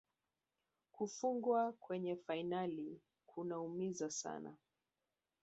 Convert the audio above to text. Kufungwa kwenye fainali kunaumiza sana